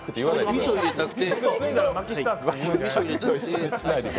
みそ入れたくて。